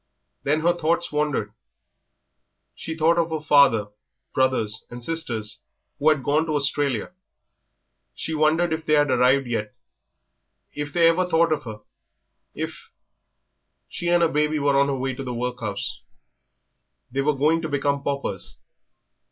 Then her thoughts wandered. She thought of her father, brothers, and sisters, who had gone to Australia. She wondered if they had yet arrived, if they ever thought of her, if She and her baby were on their way to the workhouse. They were going to become paupers.